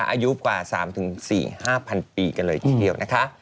อายุกว่า๓๔๕๐๐ปีกันเลยทีเดียวนะคะ